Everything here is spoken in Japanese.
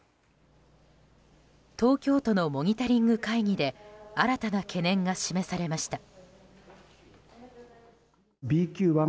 東京都のモニタリング会議で新たな懸念が示されました。